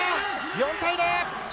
４対０。